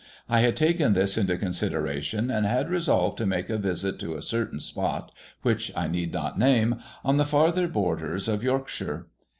I had taken this into consideration, and had resolved to make a visit to a certain spot (which I need not name) on the farther borders of Yorkshire.